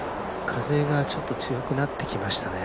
風がちょっと強くなってきましたね。